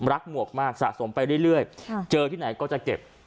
หมวกมากสะสมไปเรื่อยเจอที่ไหนก็จะเก็บ